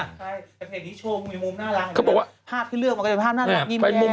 เพจนี้โชว์มีมุมน่ารักเขาบอกว่าภาพที่เลือกมันก็จะเป็นภาพน่ารักยิ้มแรง